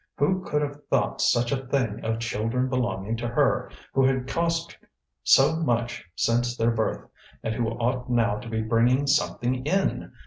Who could have thought such a thing of children belonging to her, who had cost so much since their birth, and who ought now to be bringing something in?